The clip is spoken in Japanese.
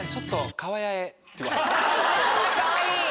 かわいい。